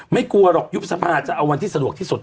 กลัวหรอกยุบสภาจะเอาวันที่สะดวกที่สุด